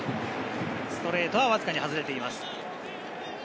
ストレートはわずかに外れています。